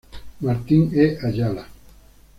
Martín E. Ayala".